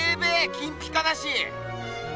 金ピカだし。